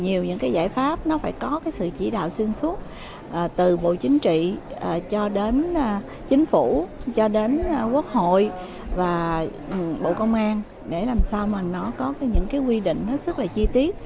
nhiều những cái giải pháp nó phải có cái sự chỉ đạo xuyên suốt từ bộ chính trị cho đến chính phủ cho đến quốc hội và bộ công an để làm sao mà nó có những cái quy định hết sức là chi tiết